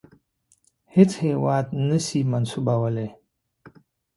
هیڅ هیواد نه سي منسوبولای.